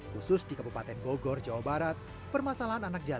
khusus di kabupaten bogor jawa barat permasalahan anak anaknya juga terjadi